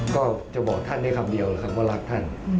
ก็จะบอกท่านได้คำเดียวนะครับว่ารักท่าน